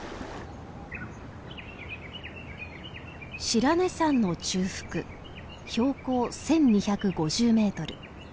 白根山の中腹標高１，２５０メートル。